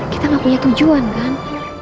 kita gak punya tujuan kan